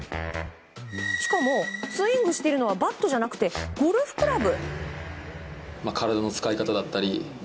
しかも、スイングしているのはバットじゃなくてゴルフクラブ？